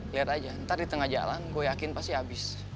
lihat aja ntar di tengah jalan gue yakin pasti habis